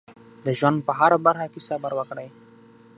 د ژوند په هره برخه کې صبر وکړئ.